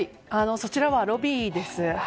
そちらはロビーです。